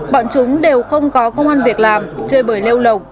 bọn chúng đều không có công an việc làm chơi bởi lêu lộng